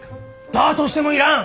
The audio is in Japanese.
だとしても要らん！